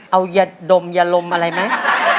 เอายาดมยาลมอะไรไหม